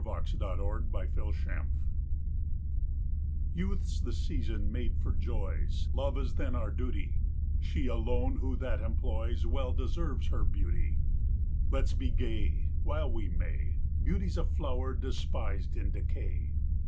"Youth's the Season Made for Joys" Youth's the season made for joys, Love is then our duty; She alone who that employs, Well deserves her beauty. Let's be gay, While we may, Beauty's a flower despis'd in decay.